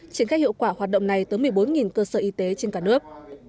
triển khai hiệu quả hoạt động này tới một mươi bốn cơ sở y tế trên cả nước